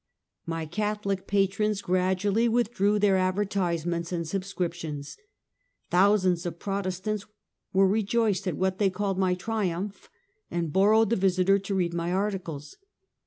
My Catholic patrons gradually withdrew their ad vertisements and subscriptions. Thousands of Protest ants were rejoiced at what they called my triumph, and borrowed the Visiter to read my articles.